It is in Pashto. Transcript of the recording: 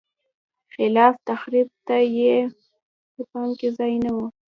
خلاق تخریب ته په کې ځای نه و.